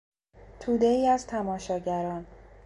تودهای از تماشاگران